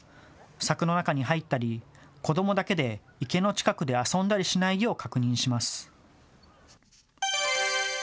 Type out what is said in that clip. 柵の中に入ったり子どもだけで池の近くで遊んだりしないよう確認します。